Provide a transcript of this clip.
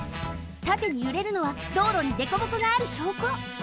たてにゆれるのは道路にでこぼこがあるしょうこ。